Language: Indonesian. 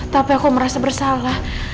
tapi aku merasa bersalah